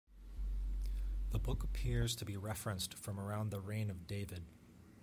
The book appears to be referenced from around the reign of David.